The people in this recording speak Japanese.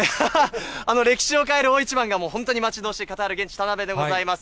歴史を変える大一番がもう本当に待ち遠しい、カタール現地、田辺でございます。